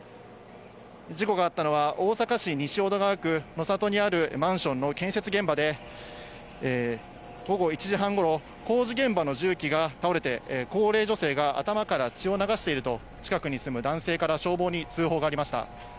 事故があったのは、大阪市西淀川区のさとにあるマンションの建設現場で、午後１時半ごろ、工事現場の重機が倒れて高齢女性が頭から血を流していると、近くに住む男性から消防に通報がありました。